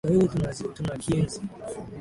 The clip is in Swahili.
Kiswahili tunakienzi.